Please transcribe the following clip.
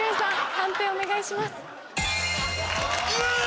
判定お願いします。